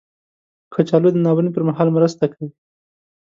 کچالو د ناورین پر مهال مرسته کوي